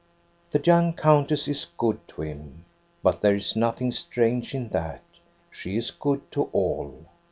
The young countess is good to him. But there is nothing strange in that; she is good to all.